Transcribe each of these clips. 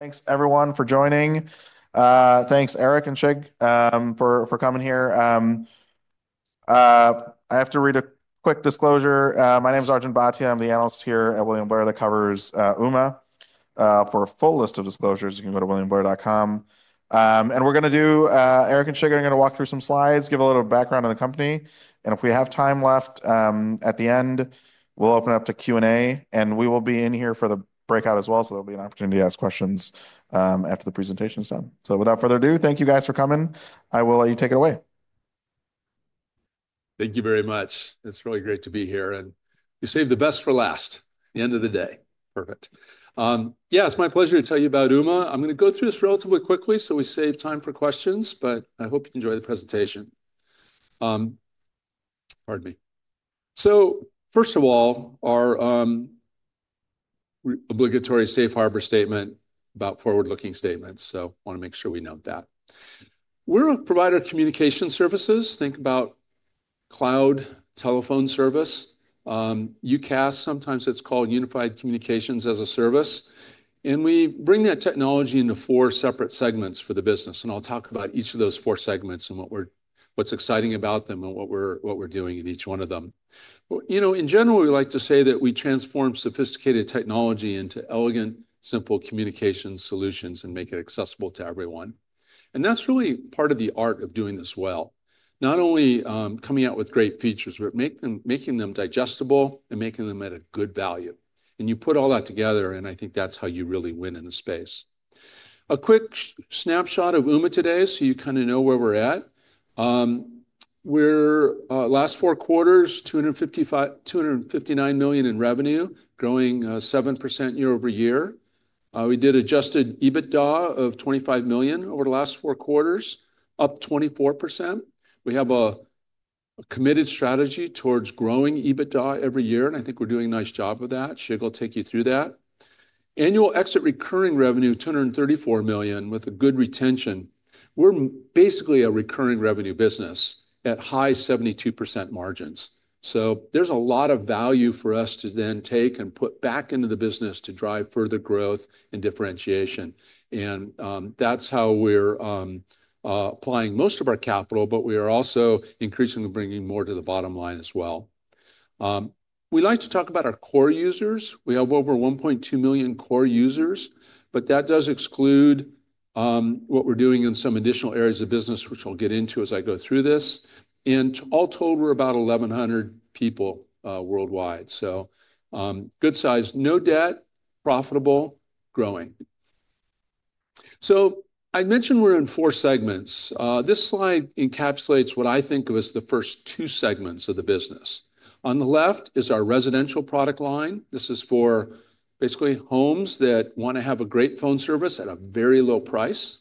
Thanks, everyone, for joining. Thanks, Eric and Shige, for coming here. I have to read a quick disclosure. My name is Arjun Bhatia. I'm the analyst here at William Blair that covers Ooma. For a full list of disclosures, you can go to williamblair.com. We're going to do, Eric and Shig, I'm going to walk through some slides, give a little background on the company. If we have time left at the end, we'll open it up to Q&A, and we will be in here for the breakout as well. There'll be an opportunity to ask questions after the presentation is done. Without further ado, thank you guys for coming. I will let you take it away. Thank you very much. It's really great to be here. You save the best for last, the end of the day. Perfect. Yeah, it's my pleasure to tell you about Ooma. I'm going to go through this relatively quickly so we save time for questions, but I hope you enjoy the presentation. Pardon me. First of all, our obligatory safe harbor statement about forward-looking statements. I want to make sure we note that. We're a provider of communication services. Think about cloud telephone service. UCaaS, sometimes it's called Unified Communications as a Service. We bring that technology into four separate segments for the business. I'll talk about each of those four segments and what's exciting about them and what we're doing in each one of them. You know, in general, we like to say that we transform sophisticated technology into elegant, simple communication solutions and make it accessible to everyone. That's really part of the art of doing this well. Not only coming out with great features, but making them digestible and making them at a good value. You put all that together, and I think that's how you really win in the space. A quick snapshot of Ooma today so you kind of know where we're at. We're, last four quarters, $259 million in revenue, growing 7% year over year. We did adjusted EBITDA of $25 million over the last four quarters, up 24%. We have a committed strategy towards growing EBITDA every year, and I think we're doing a nice job of that. Shig will take you through that. Annual exit recurring revenue, $234 million, with a good retention. We're basically a recurring revenue business at high 72% margins. There's a lot of value for us to then take and put back into the business to drive further growth and differentiation. That's how we're applying most of our capital, but we are also increasingly bringing more to the bottom line as well. We like to talk about our core users. We have over 1.2 million core users, but that does exclude what we're doing in some additional areas of business, which I'll get into as I go through this. All told, we're about 1,100 people worldwide. Good size, no debt, profitable, growing. I mentioned we're in four segments. This slide encapsulates what I think of as the first two segments of the business. On the left is our residential product line. This is for basically homes that want to have a great phone service at a very low price.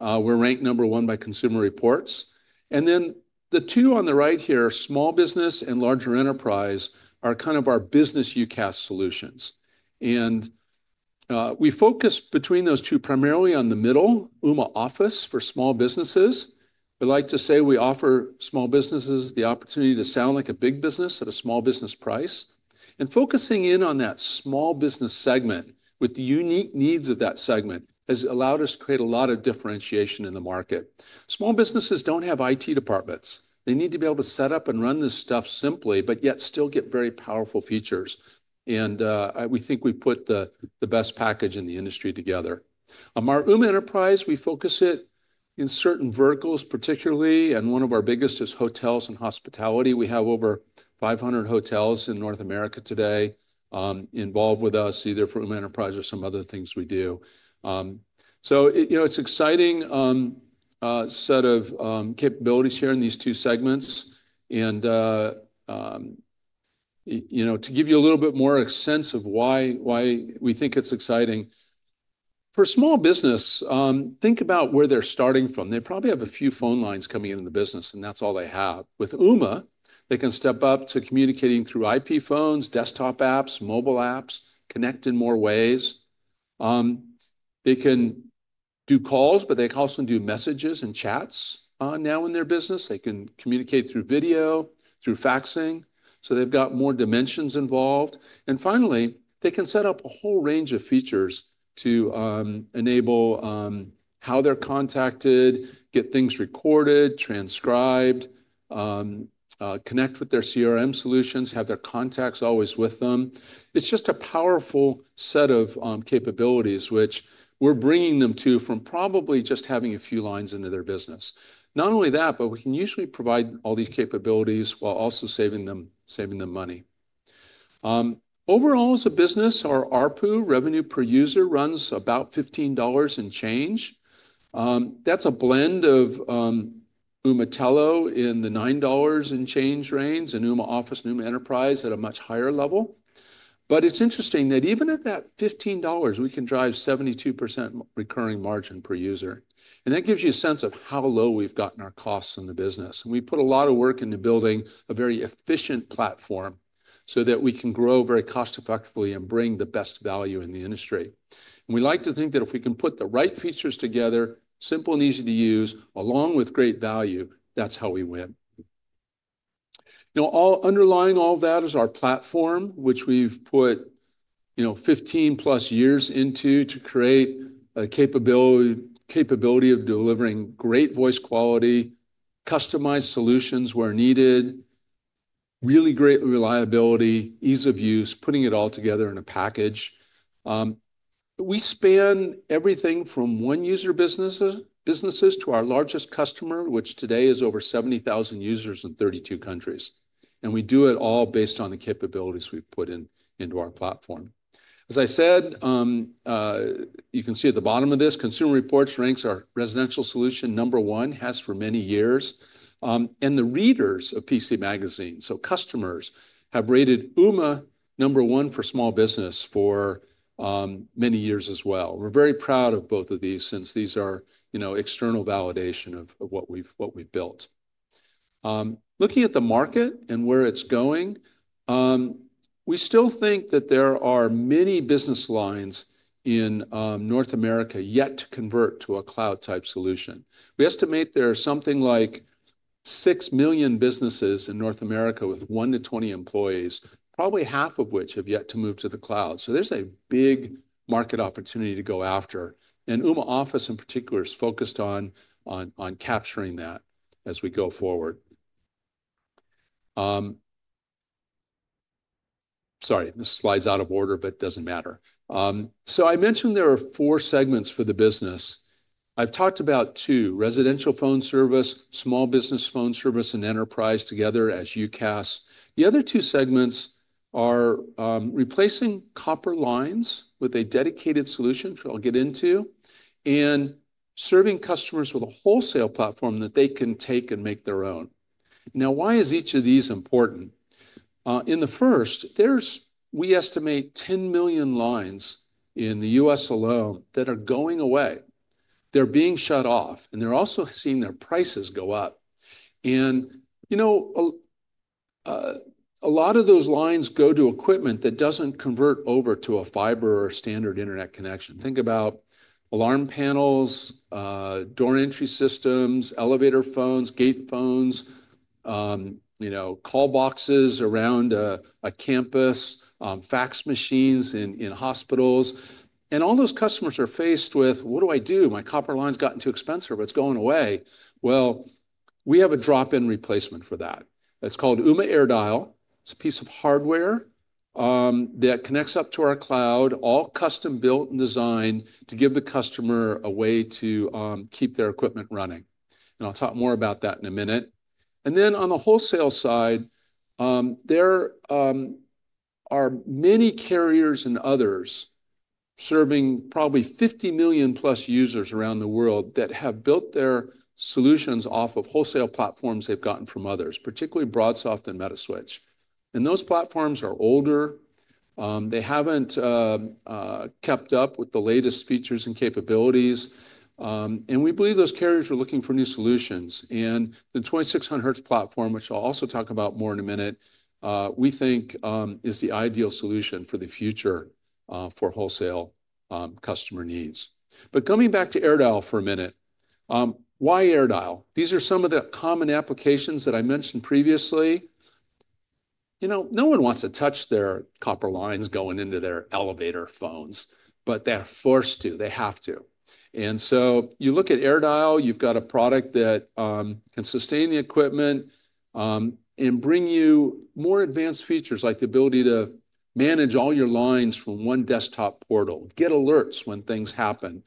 We're ranked number one by Consumer Reports. The two on the right here, small business and larger enterprise, are kind of our business UCaaS solutions. We focus between those two primarily on the middle, Ooma Office for small businesses. We like to say we offer small businesses the opportunity to sound like a big business at a small business price. Focusing in on that small business segment with the unique needs of that segment has allowed us to create a lot of differentiation in the market. Small businesses do not have IT departments. They need to be able to set up and run this stuff simply, but yet still get very powerful features. We think we put the best package in the industry together. Our Ooma Enterprise, we focus it in certain verticals particularly, and one of our biggest is hotels and hospitality. We have over 500 hotels in North America today, involved with us either for Ooma Enterprise or some other things we do. You know, it's an exciting set of capabilities here in these two segments. And, you know, to give you a little bit more sense of why we think it's exciting. For small business, think about where they're starting from. They probably have a few phone lines coming into the business, and that's all they have. With Ooma, they can step up to communicating through IP phones, desktop apps, mobile apps, connect in more ways. They can do calls, but they can also do messages and chats now in their business. They can communicate through video, through faxing. They have got more dimensions involved. Finally, they can set up a whole range of features to enable how they're contacted, get things recorded, transcribed, connect with their CRM solutions, have their contacts always with them. It's just a powerful set of capabilities, which we're bringing them to from probably just having a few lines into their business. Not only that, but we can usually provide all these capabilities while also saving them money. Overall as a business, our RPU runs about $15 and change. That's a blend of Ooma Telo in the $9 and change range and Ooma Office and Ooma Enterprise at a much higher level. It's interesting that even at that $15, we can drive 72% recurring margin per user. That gives you a sense of how low we've gotten our costs in the business. We put a lot of work into building a very efficient platform so that we can grow very cost-effectively and bring the best value in the industry. We like to think that if we can put the right features together, simple and easy to use, along with great value, that's how we win. Now, underlying all of that is our platform, which we've put, you know, 15 plus years into to create a capability of delivering great voice quality, customized solutions where needed, really great reliability, ease of use, putting it all together in a package. We span everything from one user businesses to our largest customer, which today is over 70,000 users in 32 countries. We do it all based on the capabilities we've put into our platform. As I said, you can see at the bottom of this, Consumer Reports ranks our residential solution number one, has for many years. And the readers of PC Magazine, so customers, have rated Ooma number one for small business for many years as well. We're very proud of both of these since these are, you know, external validation of what we've built. Looking at the market and where it's going, we still think that there are many business lines in North America yet to convert to a cloud-type solution. We estimate there are something like six million businesses in North America with one to 20 employees, probably half of which have yet to move to the cloud. There is a big market opportunity to go after. Ooma Office in particular is focused on capturing that as we go forward. Sorry, this slide is out of order, but it does not matter. I mentioned there are four segments for the business. I have talked about two: residential phone service, small business phone service, and enterprise together as UCaaS. The other two segments are replacing copper lines with a dedicated solution, which I will get into, and serving customers with a wholesale platform that they can take and make their own. Now, why is each of these important? In the first, we estimate 10 million lines in the U.S. alone that are going away. They are being shut off, and they are also seeing their prices go up. You know, a lot of those lines go to equipment that does not convert over to a fiber or standard internet connection. Think about alarm panels, door entry systems, elevator phones, gate phones, call boxes around a campus, fax machines in hospitals. All those customers are faced with, "What do I do? My copper lines gotten too expensive. It's going away." We have a drop-in replacement for that. It's called Ooma AirDial. It's a piece of hardware that connects up to our cloud, all custom built and designed to give the customer a way to keep their equipment running. I'll talk more about that in a minute. On the wholesale side, there are many carriers and others serving probably 50 million plus users around the world that have built their solutions off of wholesale platforms they've gotten from others, particularly BroadSoft and Metaswitch. Those platforms are older. They haven't kept up with the latest features and capabilities. We believe those carriers are looking for new solutions. The 2600Hz platform, which I'll also talk about more in a minute, we think, is the ideal solution for the future, for wholesale customer needs. Coming back to AirDial for a minute, why AirDial? These are some of the common applications that I mentioned previously. You know, no one wants to touch their copper lines going into their elevator phones, but they're forced to. They have to. You look at AirDial, you've got a product that can sustain the equipment and bring you more advanced features like the ability to manage all your lines from one desktop portal, get alerts when things happen,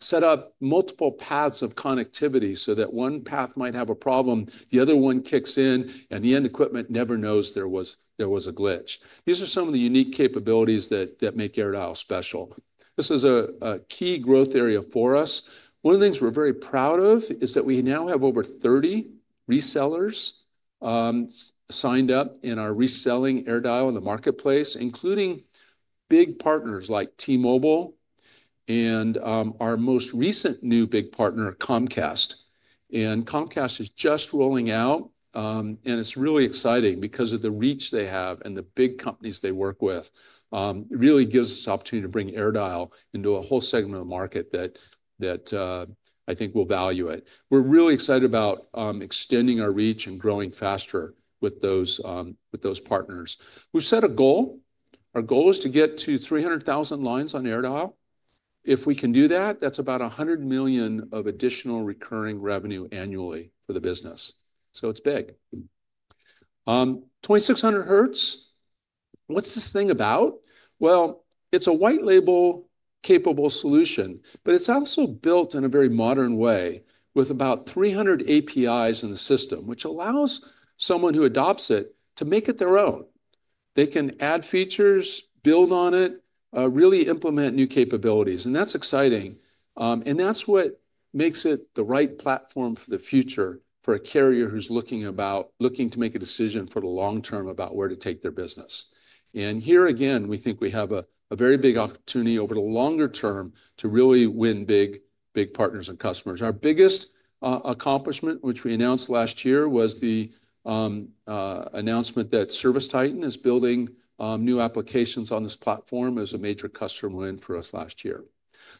set up multiple paths of connectivity so that if one path might have a problem, the other one kicks in, and the end equipment never knows there was a glitch. These are some of the unique capabilities that make AirDial special. This is a key growth area for us. One of the things we're very proud of is that we now have over 30 resellers signed up and reselling AirDial in the marketplace, including big partners like T-Mobile and our most recent new big partner, Comcast. Comcast is just rolling out, and it's really exciting because of the reach they have and the big companies they work with. It really gives us the opportunity to bring AirDial into a whole segment of the market that I think will value it. We're really excited about extending our reach and growing faster with those partners. We've set a goal. Our goal is to get to 300,000 lines on AirDial. If we can do that, that's about $100 million of additional recurring revenue annually for the business. It's big. 2600Hz. What's this thing about? It's a white label capable solution, but it's also built in a very modern way with about 300 APIs in the system, which allows someone who adopts it to make it their own. They can add features, build on it, really implement new capabilities. That's exciting, and that's what makes it the right platform for the future for a carrier who's looking to make a decision for the long term about where to take their business. Here again, we think we have a very big opportunity over the longer term to really win big partners and customers. Our biggest accomplishment, which we announced last year, was the announcement that Service Titan is building new applications on this platform as a major customer win for us last year.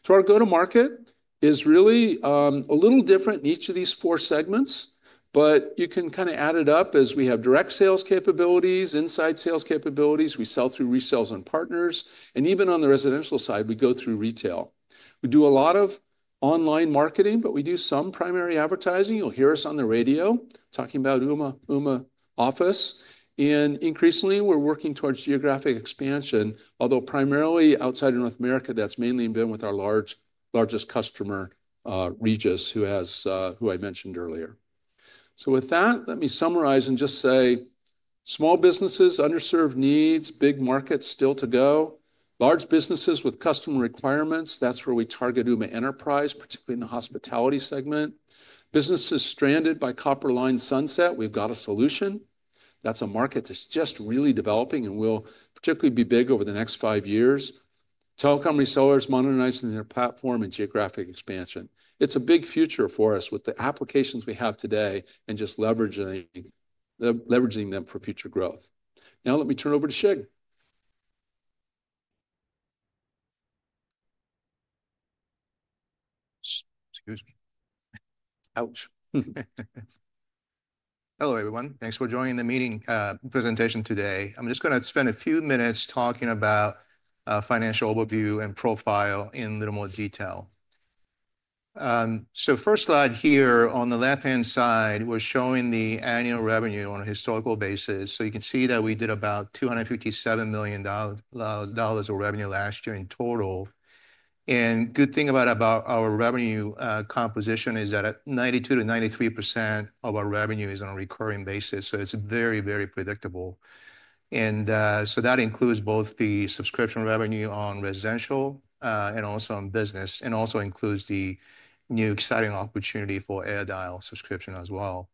Our go-to-market is really a little different in each of these four segments, but you can kind of add it up as we have direct sales capabilities, inside sales capabilities. We sell through resales and partners. Even on the residential side, we go through retail. We do a lot of online marketing, but we do some primary advertising. You'll hear us on the radio talking about Ooma Office. Increasingly, we're working towards geographic expansion, although primarily outside of North America, that's mainly been with our largest customer, Regis, who I mentioned earlier. With that, let me summarize and just say small businesses, underserved needs, big markets still to go. Large businesses with customer requirements, that's where we target Ooma Enterprise, particularly in the hospitality segment. Businesses stranded by copper line sunset, we've got a solution. That's a market that's just really developing and will particularly be big over the next five years. Telecom resellers modernizing their platform and geographic expansion. It's a big future for us with the applications we have today and just leveraging them for future growth. Now, let me turn over to Shig. Excuse me. Ouch. Hello, everyone. Thanks for joining the meeting, presentation today. I'm just going to spend a few minutes talking about financial overview and profile in a little more detail. First slide here on the left-hand side was showing the annual revenue on a historical basis. You can see that we did about $257 million of revenue last year in total. Good thing about our revenue composition is that 92-93% of our revenue is on a recurring basis. It's very, very predictable. That includes both the subscription revenue on residential, and also on business, and also includes the new exciting opportunity for AirDial subscription as well.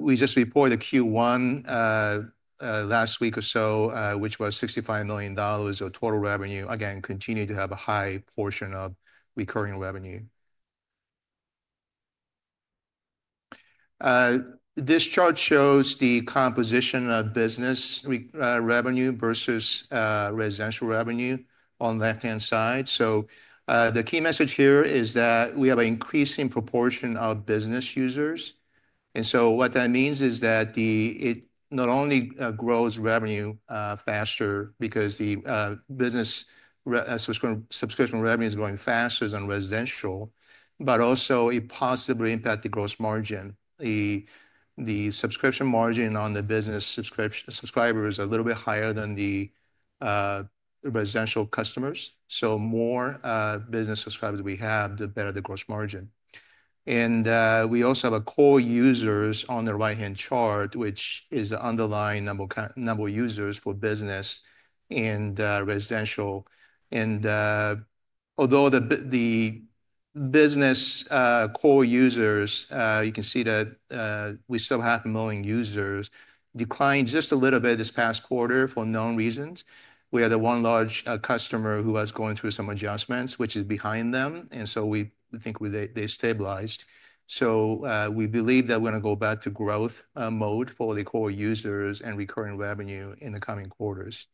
We just reported Q1 last week or so, which was $65 million of total revenue. Again, continue to have a high portion of recurring revenue. This chart shows the composition of business revenue versus residential revenue on the left-hand side. The key message here is that we have an increasing proportion of business users. What that means is that it not only grows revenue faster because the business subscription revenue is growing faster than residential, but also it possibly impacts the gross margin. The subscription margin on the business subscribers is a little bit higher than the residential customers. More business subscribers we have, the better the gross margin. We also have core users on the right-hand chart, which is the underlying number of users for business and residential. Although the business core users, you can see that we still have million users decline just a little bit this past quarter for known reasons. We had the one large customer who was going through some adjustments, which is behind them. We think they stabilized. We believe that we are going to go back to growth mode for the core users and recurring revenue in the coming quarters.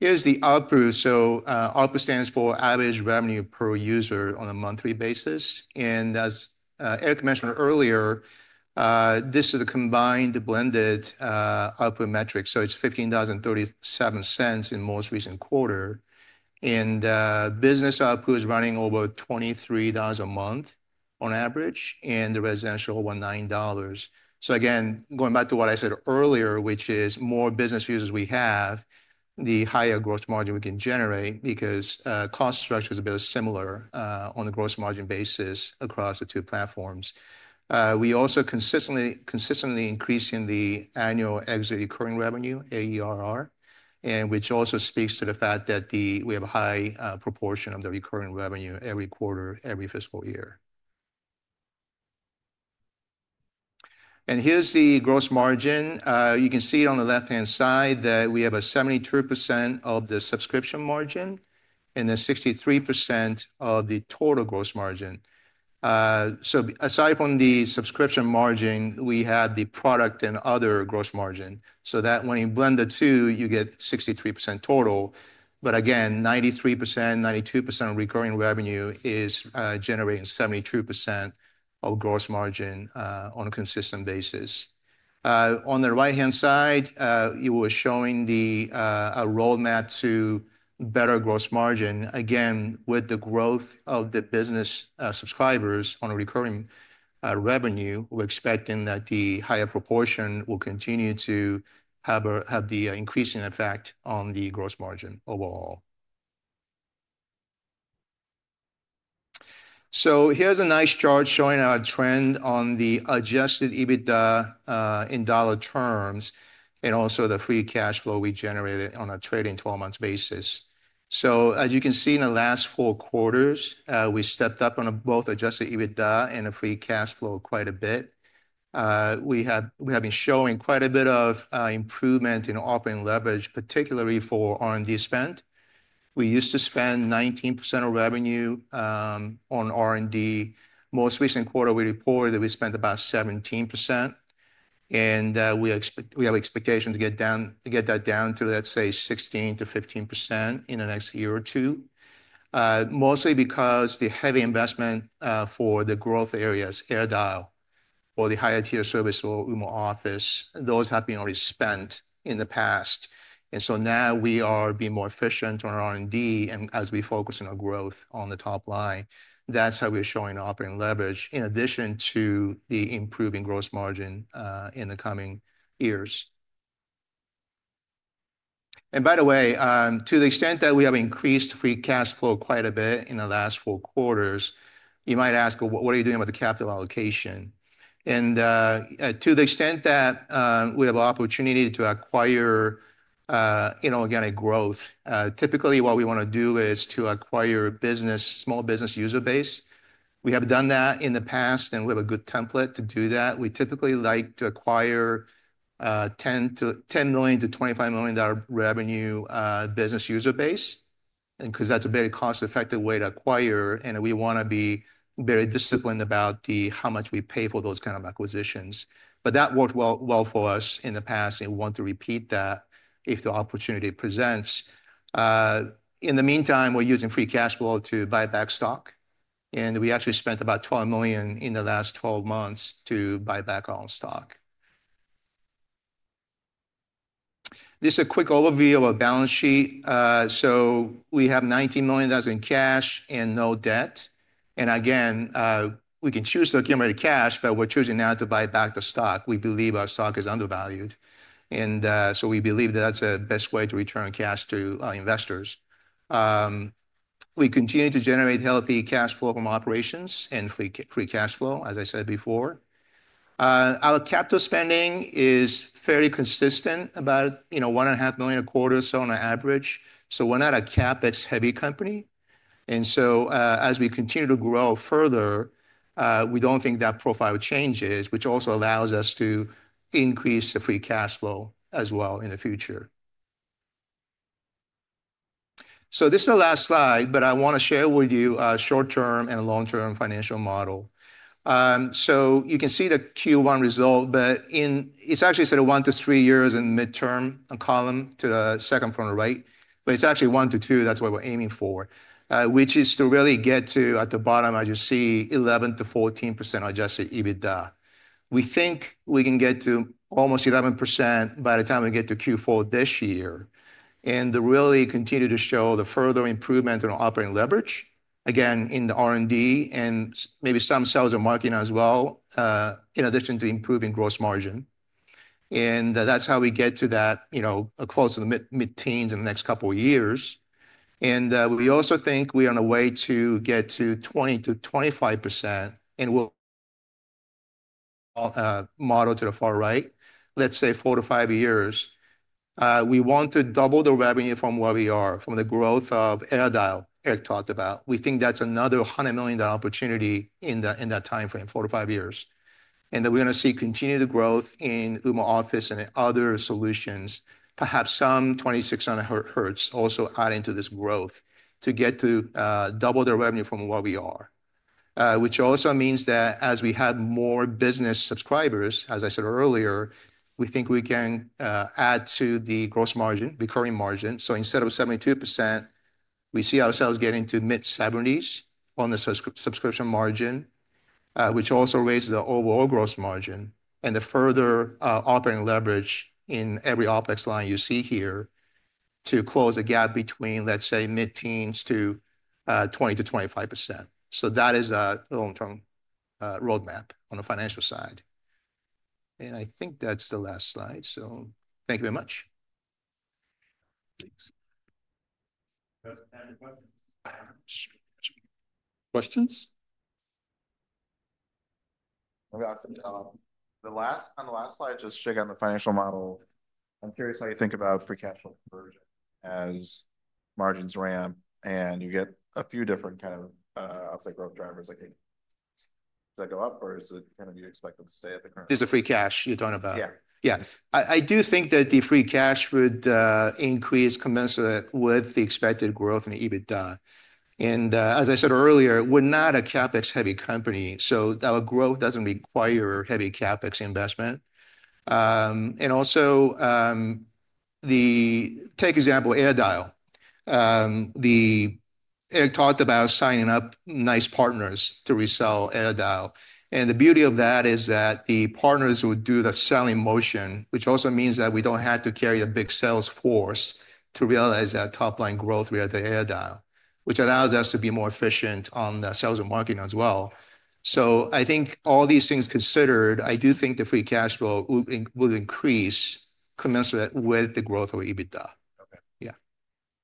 Here is the ARPU. ARPU stands for average revenue per user on a monthly basis. As Eric mentioned earlier, this is the combined blended ARPU metric. It is $15.37 in the most recent quarter. Business ARPU is running over $23 a month on average and the residential over $9. Again, going back to what I said earlier, which is more business users we have, the higher gross margin we can generate because cost structure is a bit similar on the gross margin basis across the two platforms. We also consistently increasing the annual exit recurring revenue, AERR, and which also speaks to the fact that we have a high proportion of the recurring revenue every quarter, every fiscal year. Here is the gross margin. You can see it on the left-hand side that we have a 73% of the subscription margin and then 63% of the total gross margin. Aside from the subscription margin, we have the product and other gross margin. When you blend the two, you get 63% total. Again, 93%, 92% of recurring revenue is generating 72% of gross margin on a consistent basis. On the right-hand side, it was showing a roadmap to better gross margin. Again, with the growth of the business, subscribers on a recurring revenue, we're expecting that the higher proportion will continue to have the increasing effect on the gross margin overall. Here's a nice chart showing our trend on the adjusted EBITDA, in dollar terms and also the free cash flow we generated on a trailing 12-month basis. As you can see in the last four quarters, we stepped up on both adjusted EBITDA and free cash flow quite a bit. We have been showing quite a bit of improvement in operating leverage, particularly for R&D spend. We used to spend 19% of revenue on R&D. Most recent quarter, we reported that we spent about 17%. We expect, we have expectation to get that down to, let's say, 16-15% in the next year or two, mostly because the heavy investment for the growth areas, AirDial, or the higher tier service for Ooma Office, those have been already spent in the past. Now we are being more efficient on our R&D and as we focus on our growth on the top line. That is how we are showing operating leverage in addition to the improving gross margin in the coming years. By the way, to the extent that we have increased free cash flow quite a bit in the last four quarters, you might ask, what are you doing with the capital allocation? To the extent that we have an opportunity to acquire, inorganic growth, typically what we want to do is to acquire business, small business user base. We have done that in the past and we have a good template to do that. We typically like to acquire $10 million-$25 million revenue, business user base. That is a very cost-effective way to acquire, and we want to be very disciplined about how much we pay for those kind of acquisitions. That worked well for us in the past, and we want to repeat that if the opportunity presents. In the meantime, we're using free cash flow to buy back stock. We actually spent about $12 million in the last 12 months to buy back our own stock. This is a quick overview of a balance sheet. So we have $19 million in cash and no debt. And again, we can choose to accumulate cash, but we're choosing now to buy back the stock. We believe our stock is undervalued. And, so we believe that that's a best way to return cash to our investors. We continue to generate healthy cash flow from operations and free cash flow, as I said before. Our capital spending is fairly consistent, about, you know, $1.5 million a quarter or so on average. So we're not a CapEx heavy company. And so, as we continue to grow further, we don't think that profile changes, which also allows us to increase the free cash flow as well in the future. So this is the last slide, but I want to share with you a short-term and long-term financial model. So you can see the Q1 result, but in it's actually set of one to three years in the midterm column to the second from the right. But it's actually one to two. That's what we're aiming for, which is to really get to at the bottom, as you see, 11%-14% adjusted EBITDA. We think we can get to almost 11% by the time we get to Q4 this year. And the really continue to show the further improvement in our operating leverage, again, in the R&D and maybe some sales and marketing as well, in addition to improving gross margin. And that's how we get to that, you know, close to the mid-teens in the next couple of years. And, we also think we are on a way to get to 20%-25% and we'll, model to the far right, let's say four to five years. We want to double the revenue from where we are, from the growth of AirDial Eric talked about. We think that's another $100 million opportunity in that timeframe, four to five years. We are going to see continued growth in Ooma Office and other solutions, perhaps some 2600Hz also adding to this growth to get to double the revenue from where we are. Which also means that as we have more business subscribers, as I said earlier, we think we can add to the gross margin, recurring margin. Instead of 72%, we see ourselves getting to mid-70s on the subscription margin, which also raises the overall gross margin and the further operating leverage in every OpEx line you see here to close a gap between, let's say, mid-teens to 20-25%. That is a long-term roadmap on the financial side. I think that's the last slide. Thank you very much. Thanks. Questions? We got some, the last on the last slide, just checking on the financial model. I'm curious how you think about free cash flow conversion as margins ramp and you get a few different kind of, I'll say growth drivers. Like, does that go up or is it kind of, you expect them to stay at the current? Is the free cash you're talking about? Yeah. Yeah. I do think that the free cash would increase commensurate with the expected growth in EBITDA. And, as I said earlier, we're not a CapEx heavy company. Our growth doesn't require heavy CapEx investment. And also, take example, AirDial. Eric talked about signing up nice partners to resell AirDial. The beauty of that is that the partners would do the selling motion, which also means that we do not have to carry a big sales force to realize that top-line growth via the AirDial, which allows us to be more efficient on the sales and marketing as well. I think all these things considered, I do think the free cash flow will increase commensurate with the growth of EBITDA.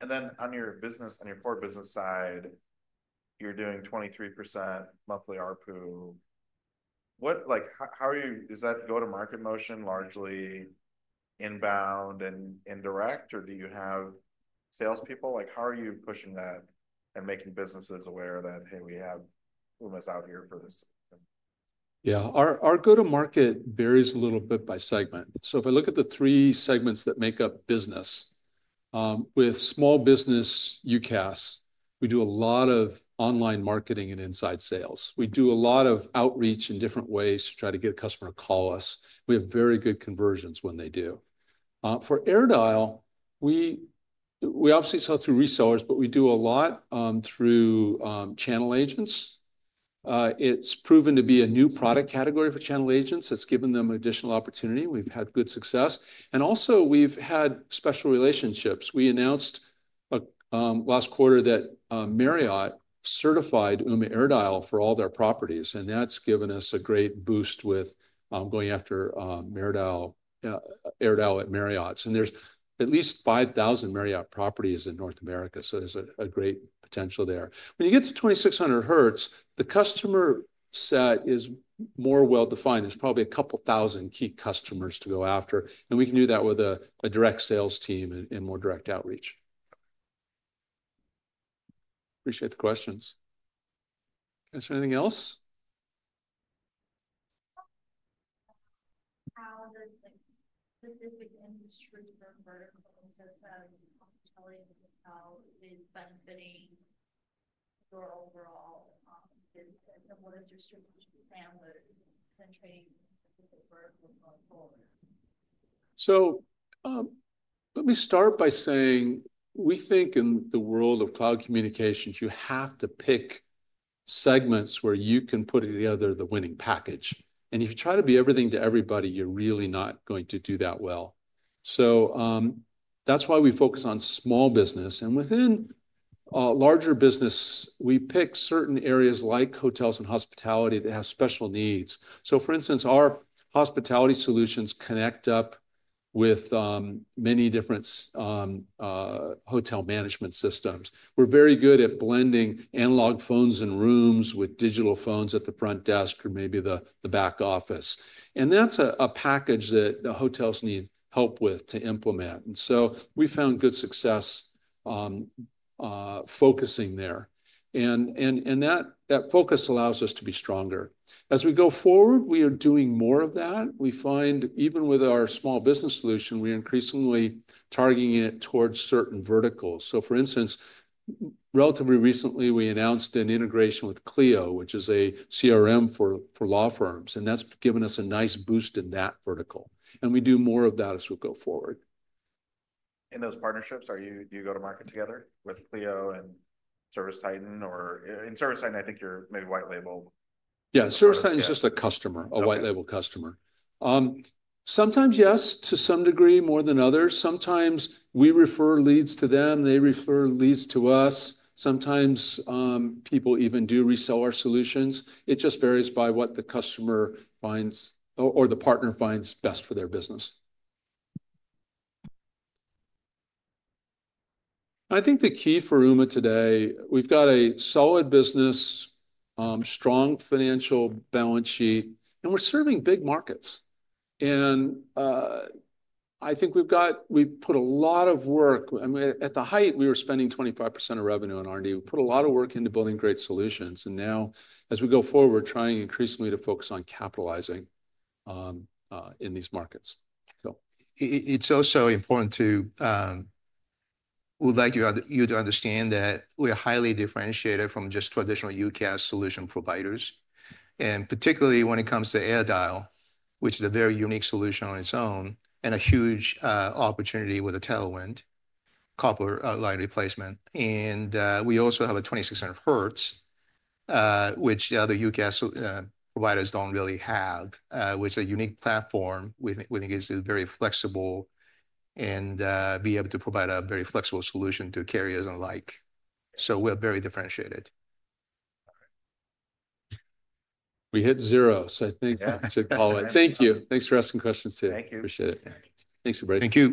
Okay. Yeah. On your business, on your core business side, you are doing 23% monthly RPU. What, like, how are you, is that go-to-market motion largely inbound and indirect, or do you have salespeople? How are you pushing that and making businesses aware that, hey, we have Ooma's out here for this? Yeah, our go-to-market varies a little bit by segment. If I look at the three segments that make up business, with small business UCaaS, we do a lot of online marketing and inside sales. We do a lot of outreach in different ways to try to get a customer to call us. We have very good conversions when they do. For Ooma AirDial, we obviously sell through resellers, but we do a lot through channel agents. It has proven to be a new product category for channel agents. It has given them additional opportunity. We have had good success. Also, we have had special relationships. We announced last quarter that Marriott certified Ooma AirDial for all their properties. That has given us a great boost with going after AirDial, AirDial at Marriott. There are at least 5,000 Marriott properties in North America. There is great potential there. When you get to 2600Hz, the customer set is more well-defined. There's probably a couple thousand key customers to go after. We can do that with a direct sales team and more direct outreach. Appreciate the questions. Can I answer anything else? How does like specific industry or verticals of the hospitality hotel is benefiting your overall business? What is your strategic plan with concentrating specific verticals going forward? Let me start by saying we think in the world of cloud communications, you have to pick segments where you can put together the winning package. If you try to be everything to everybody, you're really not going to do that well. That's why we focus on small business. Within larger business, we pick certain areas like hotels and hospitality that have special needs. For instance, our hospitality solutions connect up with many different hotel management systems. We're very good at blending analog phones in rooms with digital phones at the front desk or maybe the back office. That's a package that the hotels need help with to implement. We found good success, focusing there. That focus allows us to be stronger. As we go forward, we are doing more of that. We find even with our small business solution, we're increasingly targeting it towards certain verticals. For instance, relatively recently, we announced an integration with Clio, which is a CRM for law firms. That's given us a nice boost in that vertical. We do more of that as we go forward. In those partnerships, are you, do you go to market together with Clio and Service Titan? Or in Service Titan, I think you're maybe white labeled. Yeah, Service Titan is just a customer, a white label customer. Sometimes yes, to some degree more than others. Sometimes we refer leads to them. They refer leads to us. Sometimes, people even do resell our solutions. It just varies by what the customer finds or the partner finds best for their business. I think the key for Ooma today, we've got a solid business, strong financial balance sheet, and we're serving big markets. I think we've got, we've put a lot of work. I mean, at the height, we were spending 25% of revenue on R&D. We put a lot of work into building great solutions. Now, as we go forward, we're trying increasingly to focus on capitalizing, in these markets. It is also important to, we'd like you to understand that we're highly differentiated from just traditional UCaaS solution providers. Particularly when it comes to AirDial, which is a very unique solution on its own and a huge opportunity with a tailwind, copper line replacement. We also have 2600Hz, which the other UCaaS providers do not really have, which is a unique platform. We think it is very flexible and able to provide a very flexible solution to carriers alike. We are very differentiated. All right. We hit zero, so I think that should call it. Thank you. Thanks for asking questions today. Thank you. Appreciate it. Thanks for breaking. Thank you.